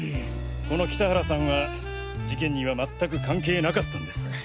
この北原さんは事件には全く関係なかったんです。